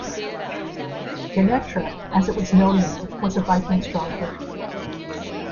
Danetre, as it was known then, was a Viking stronghold.